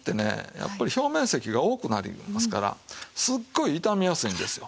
やっぱり表面積が多くなりますからすっごい傷みやすいんですよ。